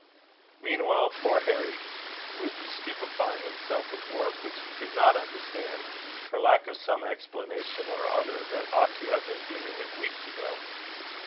Meanwhile, poor Harry would be stupifying himself with work which he could not understand for lack of some explanation or other that ought to have been given him weeks ago.